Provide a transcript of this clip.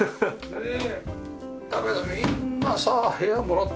ねえ。